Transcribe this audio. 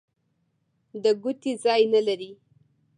د ګوتې ځای نه لري.